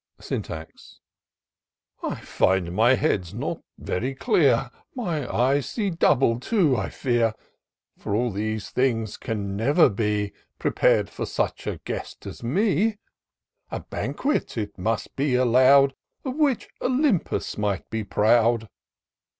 Syntax. " I find my head's not very clear ; My eyes see double, too, I fear ; For all these things can never be Prepar'd for such a guest as me : A banquet, it must be allow'd. Of which Ol3anpus might be proud."